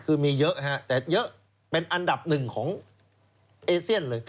คือมีเยอะฮะแต่เยอะเป็นอันดับหนึ่งของเอเซียนเลย